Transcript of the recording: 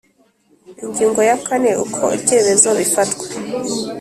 Ingingo ya kane Uko ibyemezo bifatwa